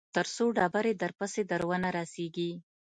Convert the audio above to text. تر څو ډبرې درپسې در ونه رسېږي.